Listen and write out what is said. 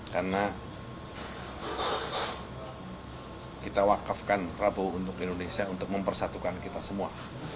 karena kita wakafkan prabowo untuk indonesia untuk mempersatukan kita semua